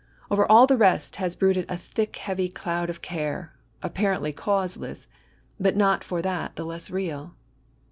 Over all the rest has brooded a thick heavy cloud of care, apparently causeless, but not for that the less real.